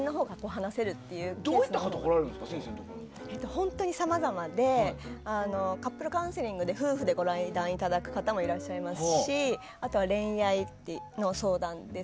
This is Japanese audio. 本当にさまざまでカップルカウンセリングで夫婦でご来院いただく方もいますし恋人同士で？